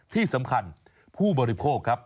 ที่สำคัญผู้บริโภคครับ